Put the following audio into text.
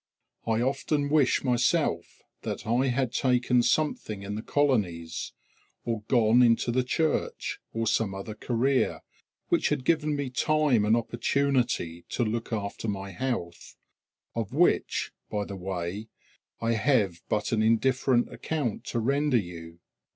I often wish myself that I had taken something in the colonies, or gone into the Church, or some other career which had given me time and opportunity to look after my health, of which, by the way, I have but an indifferent account to render you.